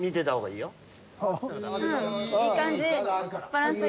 いい感じ。